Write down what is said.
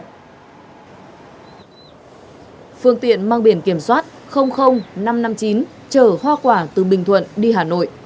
phương tiện mang biển kiểm soát năm trăm năm mươi chín chở hoa quả từ bình thuận đi hà nội